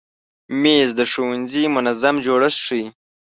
مېز د ښوونځي منظم جوړښت ښیي.